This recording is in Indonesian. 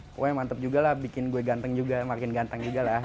pokoknya mantep juga lah bikin gue ganteng juga makin ganteng juga lah